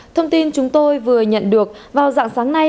thông tin chúng tôi vừa nhận được vào dạng sáng nay